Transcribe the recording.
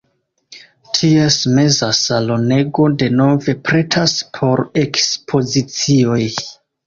Ties meza salonego denove pretas por ekspozicioj.